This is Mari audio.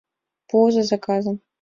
— Пуыза заказым.